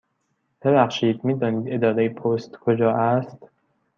ببخشید، می دانید اداره پست کجا است؟